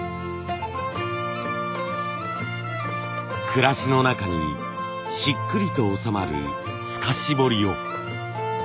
暮らしの中にしっくりと収まる透かし彫りを。